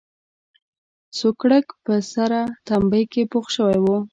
سوکړک په سره تبۍ کې پوخ شوی و.